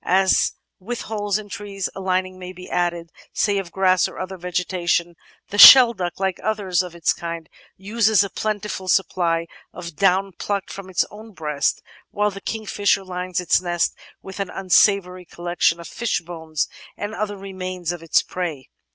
As with holes in trees, a lining may be added, say of grass or other vegetation; the Shelduck, like others of its kind, uses a plentiful supply of down plucked from its own breast, while the King fisher lines its nest with an unsavory collection of fishbones and other remains of its prey.